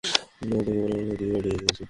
তোমরা তো কেবল আমার ক্ষতিই বাড়িয়ে দিচ্ছো।